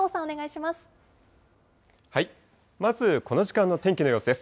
まずこの時間の天気の様子です。